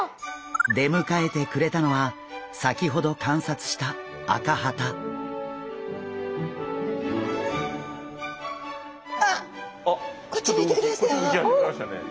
でむかえてくれたのは先ほど観察したあっこっち向いてくれましたよ。